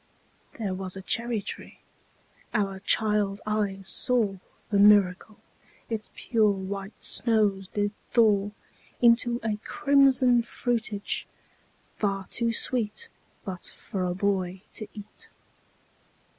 There was a cherry tree our child eyes saw The miracle: Its pure white snows did thaw Into a crimson fruitage, far too sweet But for a boy to eat.